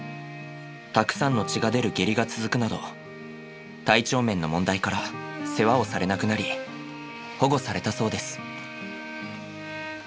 たくさんの血が出る下痢が続くなど体調面の問題から世話をされなくなり保護されたそうです。